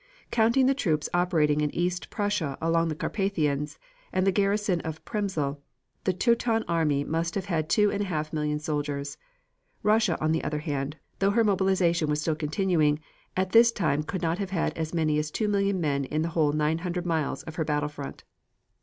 Counting the troops operating in East Prussia and along the Carpathians, and the garrison of Przemysl, the Teuton army must have had two and a half million soldiers. Russia, on the other hand, though her mobilization was still continuing, at this time could not have had as many as two million men in the whole nine hundred miles of her battle front.